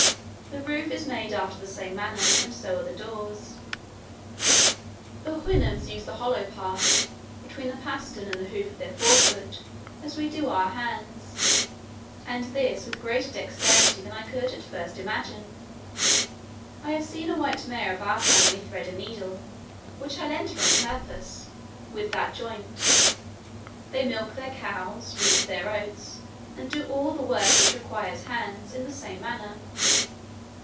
The roof is made after the same manner, and so are the doors. The Houyhnhnms use the hollow part, between the pastern and the hoof of their fore foot, as we do our hands, and this with greater dexterity than I could at first imagine. I have seen a white mare of our family thread a needle (which I lent her on purpose) with that joint. They milk their cows, reap their oats, and do all the work which requires hands, in the same manner.